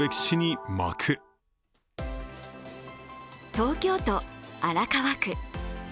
東京都荒川区。